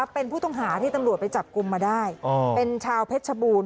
เป็นผู้ต้องหาที่ตำรวจไปจับกลุ่มมาได้เป็นชาวเพชรชบูรณ